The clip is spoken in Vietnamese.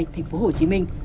thành phố hồ chí minh